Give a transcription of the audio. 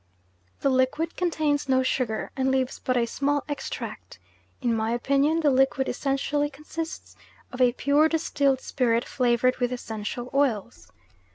"The liquid contains no sugar, and leaves but a small extract. In my opinion the liquid essentially consists of a pure distilled spirit flavoured with essential oils.